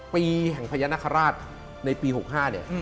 ปีแห่งพญานาคาราชในปี๖๕เนี่ย